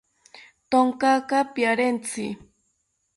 Thonkaka piarentzi